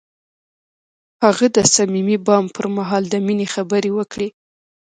هغه د صمیمي بام پر مهال د مینې خبرې وکړې.